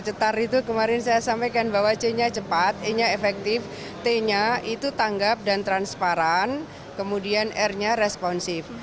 cetar itu kemarin saya sampaikan bahwa c nya cepat e nya efektif t nya itu tanggap dan transparan kemudian r nya responsif